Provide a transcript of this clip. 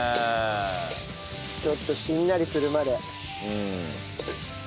ちょっとしんなりするまで。